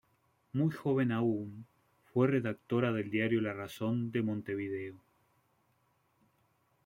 Muy joven aún, fue redactora del diario "La Razón" de Montevideo.